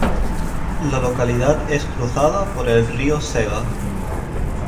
La localidad es cruzada por el río Cega.